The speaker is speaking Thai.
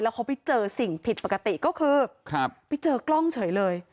เขาไปเจอสิ่งผิดปกติก็คือไปเจอกล้องเฉยเลย